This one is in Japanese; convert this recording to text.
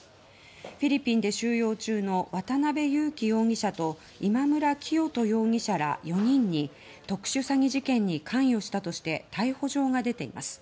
フィリピンで収容中の渡邉優樹容疑者と今村磨人容疑者ら４人に特殊詐欺事件に関与したとして逮捕状が出ています。